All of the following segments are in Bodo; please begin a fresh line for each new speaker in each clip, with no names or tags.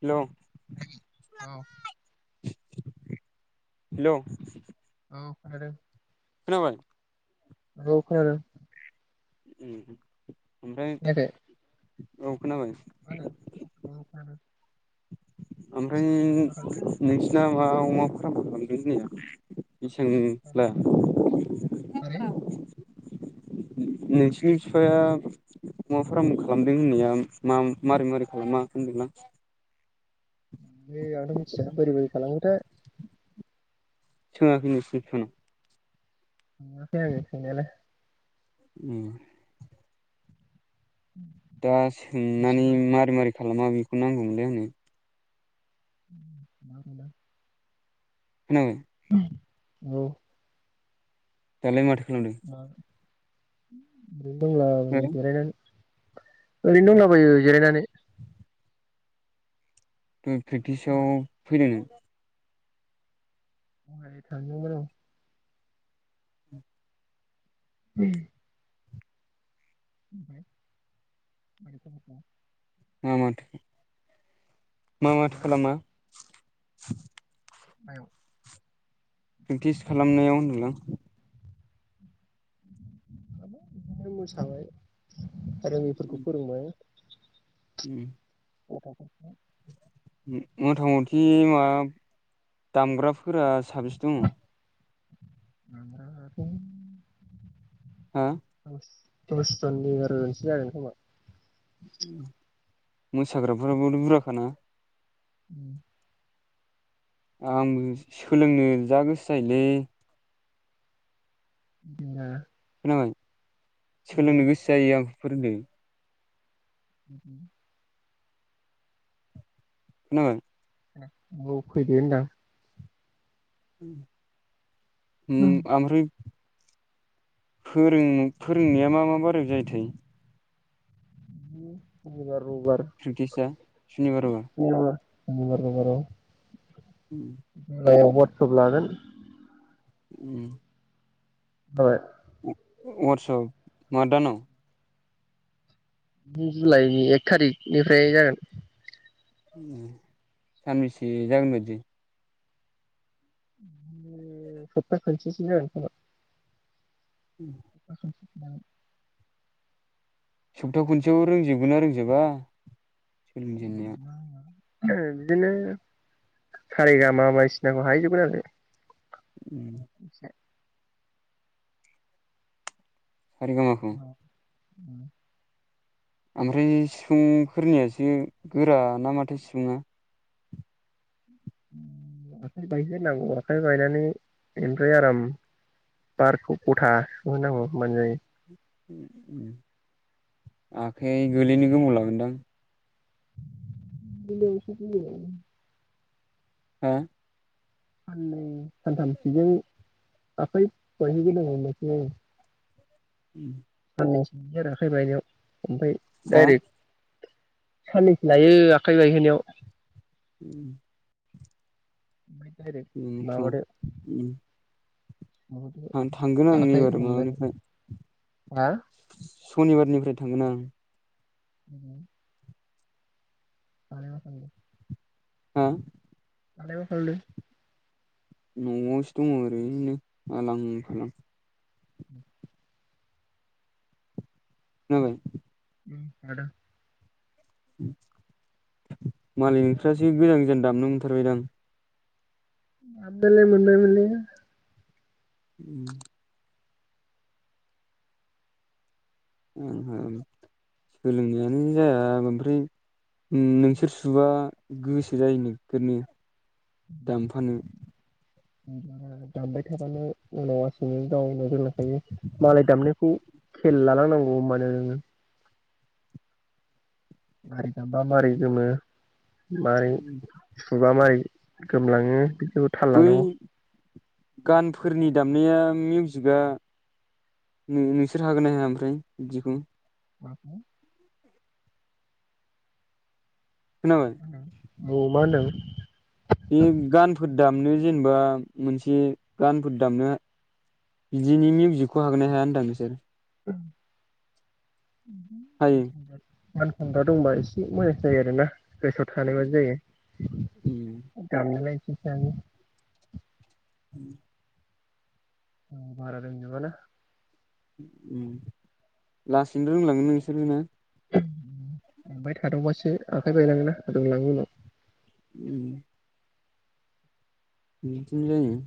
हेलौ।
औ
हेलौ
औ आरो
खोनाबाय
औ खोनादों।
[inaudible] ओमफ्राय। औ खोनाबाय
खोनादों औ खोनादों।
ओमफ्राय
मा खालामदों
नोंसि ना मा अमा फाराम खालामदो होननाया [unintelligible]
माबा मारै
नोंसिनि बिफाया अमा फार्म खालामदों होननाया मा मारै मारै खालामा होनदोंलां
ए आंथ मिथिया बोरै बोरै खालामोथाय।
सोङाखै नोंसिनि फिफानाव?
सोंङाखै आं सोंनायालाय।
उम दा सोंनानै
बिसिबो
मारै मारै खालामा बेखौ नांगौमोनलै आंनो।
माल
खोनाबाय।
औ।
दालाय माथो। खालामदों हो
मा? [inaudible] दंलाबायो जिरायनानै। ओरैनो दंलाबायो जिरायनानै
आं प्रेकटिसाव फैदों। [inaudible]
दहाय थांदोंमोन आं उम। [unintelligible]
मा मा थो मा माथो
हा
खालामा [inaudible]
[inaudible]
प्रेक्टिस खालामनायाव होनदोंलां।
बिदिनो मोसाबाय आरो बेफोरखौ फोरोंबाय।
उम।
गथ' फोरखौ
मथा मथि माबा दामग्राफोरा साबेसे दङ?
[unintelligible]
हा
औस [unintelligible] जागोन खोमा।
उम मोसाग्राफोराबो बुरजाखाना?
उम।
आंबो सोलोंनो जा गोसो जायोलै।
[unintelligible]
[unintelligible]
औ
सोलोंनो गोसो जायो आं फोरों दो
उम उम।
[inaudible]
ओ औ फैदो होनदां।
उम हो आमफ्रय फोरों फोरोंनाया मा मा बारोय जायोथाय?
[unintelligible]
प्रेखतिसा सुनिबारावबो।
मंगलबार बाराव
उम
औ वाटसप लागोन।
उम।
बा।
वाटसप मा दानाव?
जुन जुलाइनि एक थारिकनिफ्राय जागोन।
[unintelligible] सानबैसे जागोन बायदि?
इ ओ सपता खनसेसोनि जागोन खोमा।
उम।
[inaudible]
सप्ता खनसेयाव रोंजोब गोना रोंजोबा सोलोंजेननाया।
ओ बिदिनो सारे गा मा बायदिसिनाखौ हाहैजोबगोन आरो
उम।
एसे।
सा रे गा मा खौ
उम।
ओमफ्राय सिफुंफोरनियासो गोरा ना माथो सिफुंआ?
आखाइ बायगोनां आखाइ बायनानै बेनिफ्राय आराम बारखौ गथा सुहोनांगौ होमबानो जायो।
[unintelligible] उम आखाइ गोलैनो गोबाव लागोनदां?
[unintelligible]
हा।
साननै सानथामसोजो आफाइ बायहैगोनो हमबायसै
उम।
होद आखाइ बायनायाव। ओमफ्राय
हा
डाइरेक साननैसो लायो आखाइ बायहोनायाव।
ओम।
ओमफाय दाइरेग माबादो माबादो
आं थांगोन आं
आखाइ
एबार
हमनानै
माबानिफ्राय
हा
सनिबारनिफ्राय थांगोन आं
हो बानायाखै
हो।
आखाइ हरफ्लांदों
नआवसो दङ ओरैनो आलां फालां
औ
जाबाय
आदा
मालिक नोंस्रासो गोजान गोजान दामनो मोनथारबायदां
[unintelligible] मोनबायमोनलै
ओम। ओम ओम सोलोंनायानो जाया ओमफ्राय नोंसोर सुबा गोसो जायो नोगोरनो दामफानो।
बारा दामबाय थाबानो उनाव लासैनो गावनो रोंलांखायो मालाय दामनायखौ खेल लालांनांगौ होनबानो मारै दामबा मारै गोमो। मारै सुबा मारै गोमलांयो बेखौ थाल
बै
लानांगौ।
गानफोरनि दामनाया मिउजिकआ नों-नोंसोर हागोन ना हाया ओमफ्राय बिदिखौ?
बाथ'
खोनाबाय।
औ मा होनदों।
बे गानफोर दामनो जेनेबा मोनसे गानफोर दामनो बिदिनि मिउजिकखौ हागोनो हाया होनदों नोंसोर
होद गान
हायो
खनग्रा गान खनग्रा दंबा एसे मोजांसिन जायो आरोना। गोसोआव थानायबानो जायो
उम
दामनो लाय। बेसे हायो
ओम।
बारा रोंजोबा ना
ओम लासैनो रोंलांगोन नोंसोरो ना
दामबाय थादावबासो आखाइ बायलांयो ना रोंलां‌‌यो उनाव
ओम बिदिनो जायो।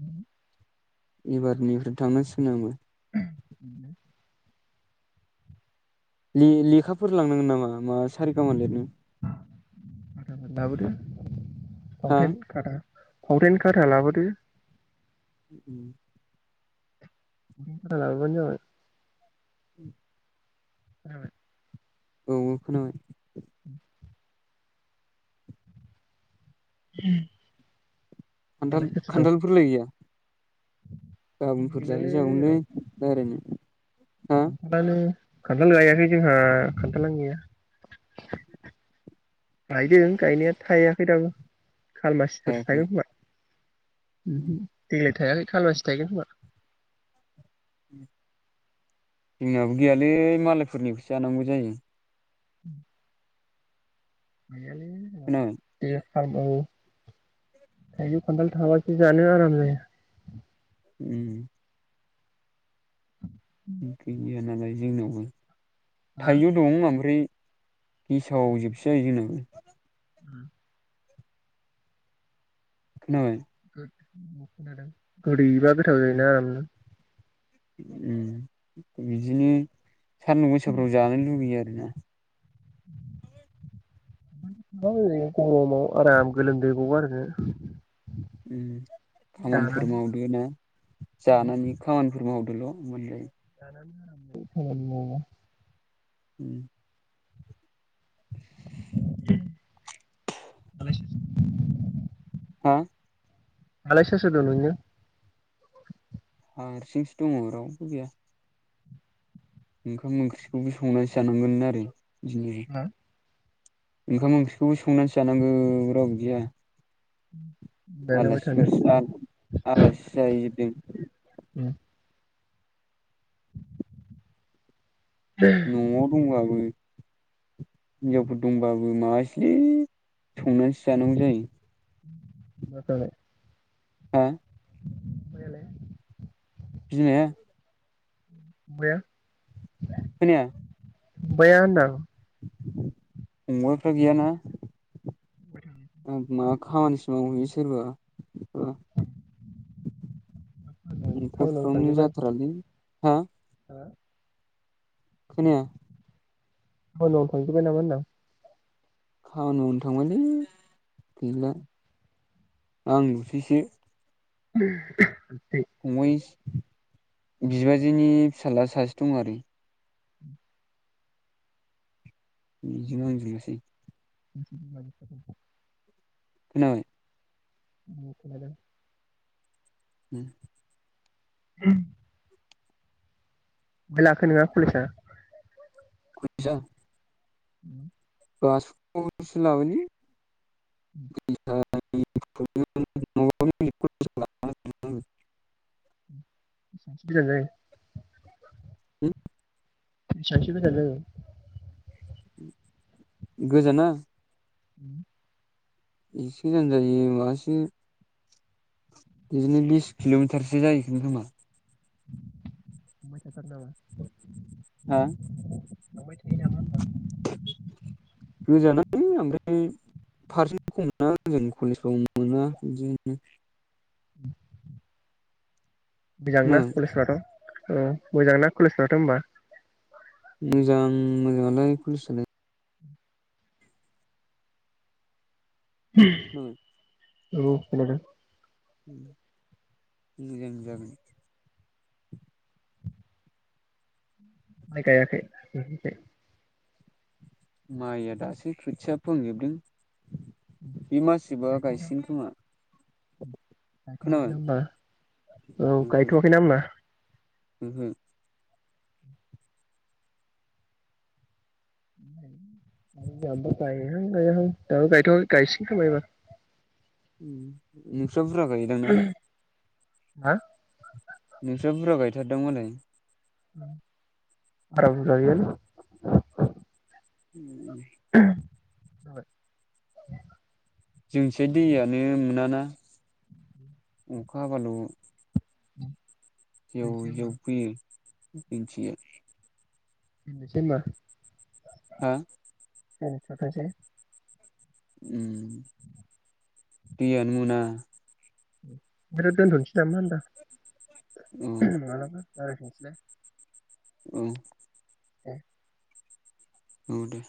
उ [inaudible]
एबारनिफ्राय थांनांसिगोन आङो। ले-लेखाफोर लांनांगोन नामा मा सा-रि-गा-मा लिरनो।
दा बोरो
हा
फावथेन खारा फावथेन खाथा लाबोदो।
[inaudible]
[unintelligible]
उ [inaudible]
खोनाबाय?
औ औ खोनाबाय।
उ [inaudible] उम
खान्थाल खान्थालफोरलाय गैया।
खान्थाल
गाबोनफोर जायै जागौलै रायरायायनो।
मानो। खान्थाल गायाखै जोंहा खान्थालानो गैया गायदों गायनाया थायाखै दाबो। खालमासिफोरसो
थायाखै
थायगोन खोमा उम हो देग्लाय थायालै खालबासि थायगोन खोमा।
जोंनाबो गैयालै मालायफोरनिखौसो जानांगौ जायो।
उ [inaudible] गौयालौ
खोनाबाय
जोंना। रांखौ औ थाइजौ खान्थाल थाबासो जानो आराम जायो।
उम आंखायनो। बे नालाय जोंनियावबो।
हा
थाइजौ दं ओमफ्राय। गसाव जोबसै आरो जोंनाबो।
[inaudible]
खोनाबाय।
गोदौबा गोथाव जायोना उम।
बिदिनो। सानदुं गोसाफ्राव जानो लुुबैयो आरो। बेनो। [inaudible]
ओरै गरमाव आराम गोलोमदै गगार होदो।
उम खामानिफोर मावदो ना जानानै खामानिफोर माव खोल मोननै
[inaudible] खामानि मावो
उम
उम
हा
आरो सोर सोर दं नोंनिया?
आं हारसिंसो दङ रावबो गैया। ओंखाम ओंख्रिखौबो संनानै जानांगोन आरो
हा
[unintelligible] ओंखाम ओंख्रिखौबो संनानैसो जानांगौ रावबो गैया
दालाय अबाय
आलासि [unintelligible] आलासि [unintelligible] न'आव दङो आं हिनजावफोर दंबाबो माबासोलै संनानैसो जानांगौ जायो।
[unintelligible]
हा
मैयालाय।
बिमाया
[unintelligible]
खोनाया
बाया होनदां।
अमाफ्रा गैयाना
मा
आ मा
खालामनाय फंबायालाय फंबाया होनदां टाउनाव
[unintelligible] [unintelligible]
थांजोब्बाय
जाथ्रालै हा
हा
खोनाया
खामानि मावनो थांजोबाय नामा होनदां?
खामानि मावनो थांबायलै गैला आं ल'सैसो,
[inaudible]
[unintelligible] बिबाजैनि फिसाला सासे दं आरो बेजोंनो आरजिनोसै
[unintelligible]
नै
[unintelligible]
उम।
[inaudible] [unintelligible]
[unintelligible]
[inaudible]
[unintelligible]
बेसेबांसो
[unintelligible] [unintelligible]
[inaudible]
हो
बेसेबांसो गोजान जायो?
गोजाना?
उम।
एसे गोजान जायो मासो बिदिनो बिस किलमिटारसो जाहैगोन खोमा।
थांबाय थाथारो नामा?
हा।
थांबाय थायो नामा होन दां?
गोजान ओमफ्राय फारसेन खमना जों कलेजाव मोना बिदिनो।
[inaudible] बेगांना
खोनाबाय
कलेज फ्राथ' अ मोजांना कलेजफ्राथ होनबा?
मोजां मोजाङालाय कलेजसालाय। [unintelligible]
औ खोनादों।
मोजां जागोन।
माय गायाखै नोंसिनिथिं?
माइया दासो खोथिया फोहांजोबदों। बे मास जोबबा
गायथ'वाखै
गायसिगोन खोमा।
[inaudible]
खोनाबाय
गायथवाखैना होनबा औ
ओहो
गायथवाखैना होनबा।
ओहो।
जोंहाबो गाइहां गायाहां दाबो गाइथ'वाखै गायसिगोन खोमा एबार।
उम उम। नोंस्रा बुरजा गायोदांना?
हा?
नोंस्रा बुरजा गायथारदों मालाय।
बारा बुरजा गैयालै
उम उम।
[unintelligible]
जोंथिं दैयानो मोनाना अखा हाबाल।
[inaudible]
जेव
दोनसै होमबा
जेव फोयो। दिनथियो
दोनोसै होनबा।
हा?
उम थाथोंसै
उम दैयानो मोना।
ओमफ्राय दा दोनथ'नोसै नामा होनदां
औ
मालाबा रायज्लायफिनसैय। [unintelligible]
ओं।
ए
औ दे